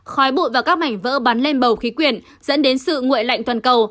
khói bụi và các mảnh vỡ bắn lên bầu khí quyển dẫn đến sự nguội lạnh toàn cầu